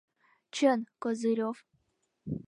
Чын, Козырев!